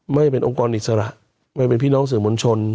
ไม่เป็นองค์กรอิสระไม่เป็นพี่น้องสื่อมวลชน